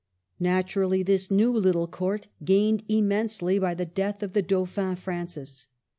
Naturally, this new little Court gained im mensely by the death of the Dauphin Francis.